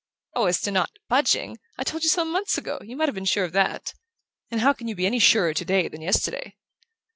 "Oh, as to not budging I told you so months ago: you might have been sure of that! And how can you be any surer today than yesterday?"